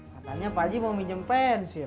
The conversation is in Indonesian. katanya pak ji mau pinjem pensil